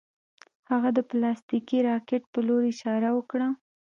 هغه د پلاستیکي راکټ په لور اشاره وکړه